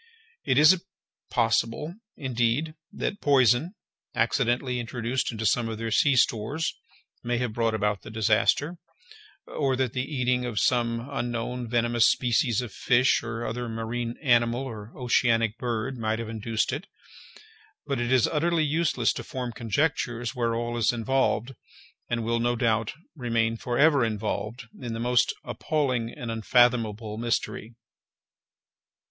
It is possible, indeed, that poison, accidentally introduced into some of their sea stores, may have brought about the disaster, or that the eating of some unknown venomous species of fish, or other marine animal, or oceanic bird, might have induced it—but it is utterly useless to form conjectures where all is involved, and will, no doubt, remain for ever involved, in the most appalling and unfathomable mystery.